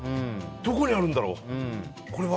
どこにあるんだろう。